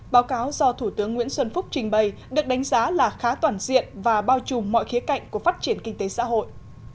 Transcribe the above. báo cáo do thủ tướng nguyễn xuân phúc trình bày được đánh giá là khá toàn diện và bao trùm mọi khía cạnh của phát triển kinh tế xã hội